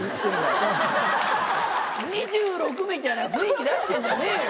２６みたいな雰囲気出してんじゃねえよ。